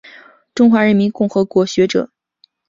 中华人民共和国学者。